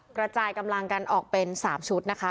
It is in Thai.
กระจายกำลังกันออกเป็น๓ชุดนะคะ